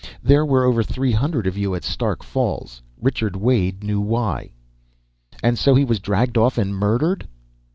There were over three hundred of you at Stark Falls. Richard Wade knew why." "And so he was dragged off and murdered."